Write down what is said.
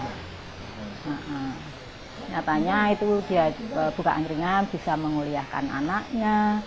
nah nyatanya itu dia buka angkringan bisa menguliakan anaknya